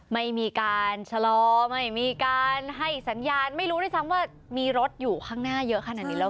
ไม่มีการชะลอไม่มีการให้สัญญาณไม่รู้ด้วยซ้ำว่ามีรถอยู่ข้างหน้าเยอะขนาดนี้แล้ว